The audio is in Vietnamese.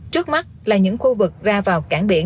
trước mắt là những khu vực ra vào cảng biển